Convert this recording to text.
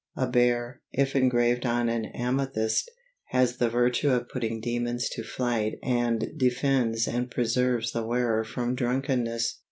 A bear, if engraved on an amethyst, has the virtue of putting demons to flight and defends and preserves the wearer from drunkenness.